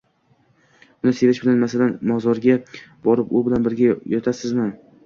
Uni sevish bilan, masalan, mozorga borib u bilan birga yotasizmi?